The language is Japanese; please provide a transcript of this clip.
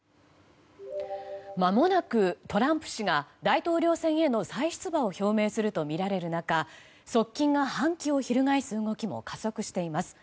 まもなくトランプ氏が大統領選への再出馬を表明するとみられる中側近が反旗を翻す動きも加速しています。